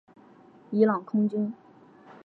伊朗空军。